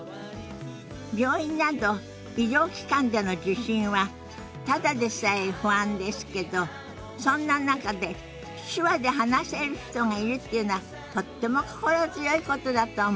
病院など医療機関での受診はただでさえ不安ですけどそんな中で手話で話せる人がいるっていうのはとっても心強いことだと思います。